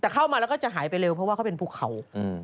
แต่เข้ามาแล้วก็จะหายไปเร็วเพราะว่าเขาเป็นภูเขา